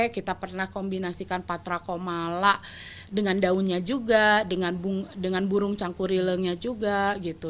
kita pernah kombinasikan patra komala dengan daunnya juga dengan burung cangkurilengnya juga gitu